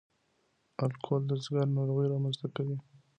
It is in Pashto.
الکول د ځګر ناروغۍ رامنځ ته کوي.